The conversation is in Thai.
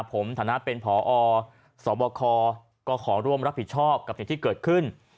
ผมฐานะเป็นพอสบคก็ขอร่วมรับผิดชอบกับสิ่งที่เกิดขึ้น